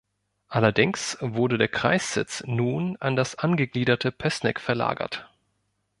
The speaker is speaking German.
Allerdings wurde der Kreissitz nun an das angegliederte Pößneck verlagert.